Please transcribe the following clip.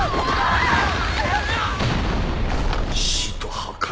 死と破壊